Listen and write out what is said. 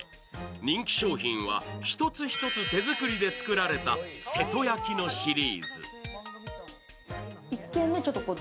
人気商品は一つ一つ手作りで作られた瀬戸焼のシリーズ。